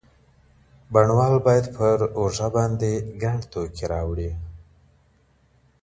بڼوال باید په اوږه باندي ګڼ توکي راوړي.